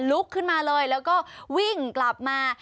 ลุกขึ้นมาเลยแล้วก็วิ่งกลับมา